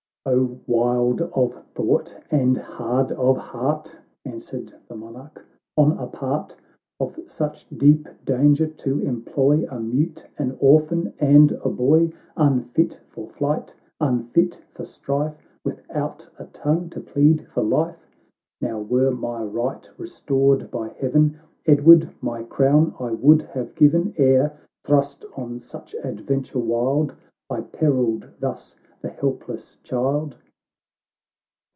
"c — x " O wild of thought, and hard of heart !" Answered the Monarch, "on a part Of such deep danger to employ A mute, an orphan, and a boy ! Unfit for flight, unfit for strife, Without a tongue to plead for life ! Now, were my right restored by Heaven, Edward, my crown I would have given, Ere, thrust on such adventure wild, I perilled thus the helpless child."